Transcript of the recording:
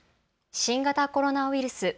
新型コロナウイルス。